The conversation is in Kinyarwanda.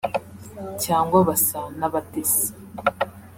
cyangwa basa n’abatesi